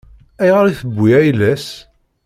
Ayɣer i tewwi ayla-s?